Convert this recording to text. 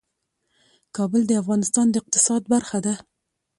کابل د افغانستان د اقتصاد برخه ده.